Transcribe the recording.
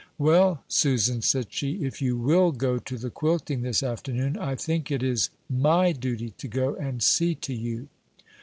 "Well, Susan," said she, "if you will go to the quilting this afternoon, I think it is my duty to go and see to you."